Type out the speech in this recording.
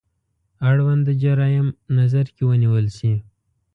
اړونده جرايم نظر کې ونیول شي.